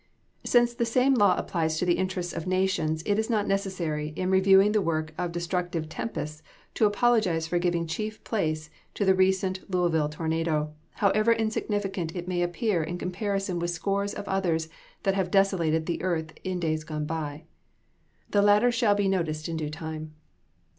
Since the same law applies to the interests of nations, it is not necessary, in reviewing the work of destructive tempests, to apologize for giving chief place to the recent Louisville tornado, however insignificant it may appear in comparison with scores of others that have desolated the earth in days gone by. The latter shall be noticed in due time.